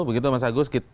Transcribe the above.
begitu mas agus